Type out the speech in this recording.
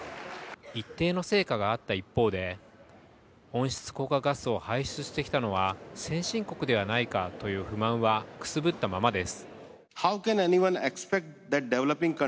一定の成果があった一方で、温室効果ガスを排出したのは先進国ではないかという不満はくすぶったままです。